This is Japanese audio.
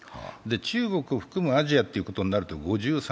中国を含むアジアということになると５３％。